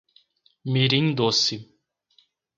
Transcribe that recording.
Mirim Doce